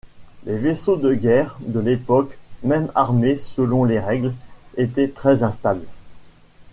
Les vaisseaux de guerre de l'époque, même armés selon les règles, étaient très instables.